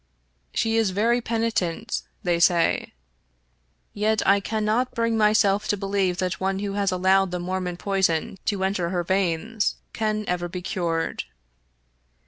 She is very penitent, they say ; yet I cannot bring myself to believe that one who has allowed the Mormon poison to enter her veins can ever be cured.